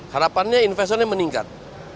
harapannya investornya meningkat